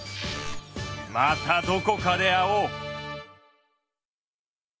またどこかで会おう！